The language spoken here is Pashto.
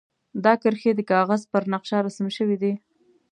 دا کرښې د کاغذ پر نقشه رسم شوي دي.